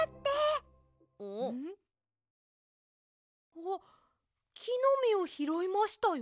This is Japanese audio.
あっきのみをひろいましたよ。